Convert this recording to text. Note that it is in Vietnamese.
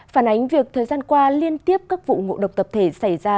phản ánh việc thời gian qua liên tiếp các vụ ngộ độc tập thể xảy ra